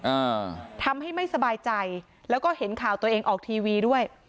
อ่าทำให้ไม่สบายใจแล้วก็เห็นข่าวตัวเองออกทีวีด้วย